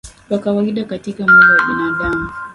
kwa kawaida katika mwili wa binadamu